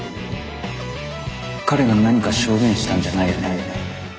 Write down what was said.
彼が何か証言したんじゃないよね？